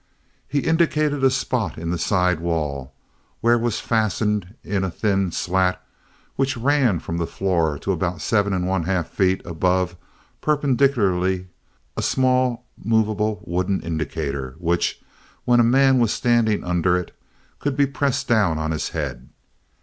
He indicated a spot in the side wall where was fastened in a thin slat—which ran from the floor to about seven and one half feet above, perpendicularly—a small movable wooden indicator, which, when a man was standing under it, could be pressed down on his head.